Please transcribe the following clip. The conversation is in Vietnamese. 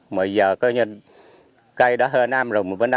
mà giờ cơ nhân cây đã hơn năm rồi